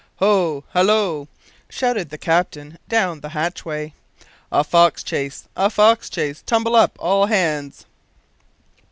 "Ho! hallo!" shouted the captain down the hatchway. "A fox chase! a fox chase! Tumble up, all hands!"